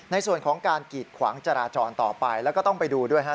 ในส่วนของการกีดขวางจราจรต่อไปแล้วก็ต้องไปดูด้วยฮะ